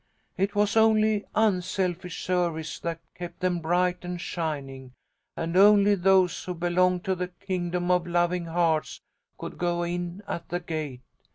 It was only unselfish service that kept them bright and shining, and only those who belonged to the kingdom of loving hearts could go in at the gate.